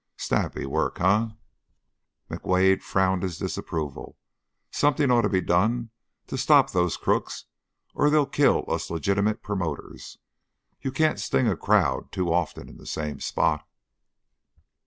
Snappy work, eh?" McWade frowned his disapproval. "Something ought to be done to stop those crooks or they'll kill us legitimate promoters. You can't sting a crowd too often in the same spot."